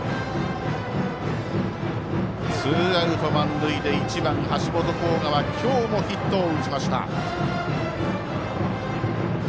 ツーアウト満塁で１番、橋本航河は今日もヒットを打ちました。